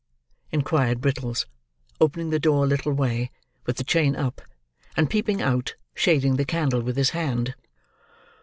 inquired Brittles, opening the door a little way, with the chain up, and peeping out, shading the candle with his hand.